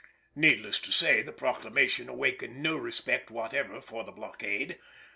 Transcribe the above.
Needless to say, the proclamation awakened no respect whatever for the blockade.